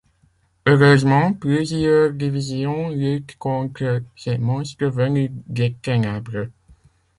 Heureusement, plusieurs divisions luttent contre ces monstres venus des ténèbres.